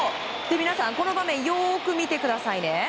皆さん、この場面よく見てくださいね。